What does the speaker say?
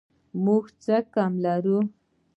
موږ څه کم لرو؟